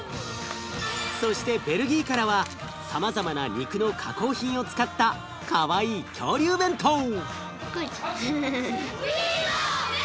そしてベルギーからはさまざまな肉の加工品を使ったかわいい恐竜弁当！